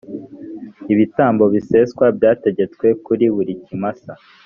ibitambo biseswa byategetswe kuri buri kimasa